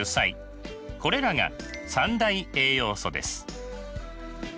これらが三大栄養素です。